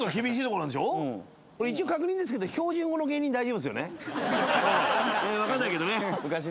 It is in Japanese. これ一応確認ですけどわかんないけどね。